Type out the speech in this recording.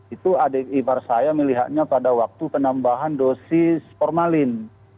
itu adik ibar saya melihatnya pada waktu penambahan dosis formalin